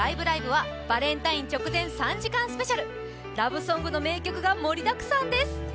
ライブ！」はバレンタイン直前３時間ＳＰラブソングの名曲が盛りだくさんです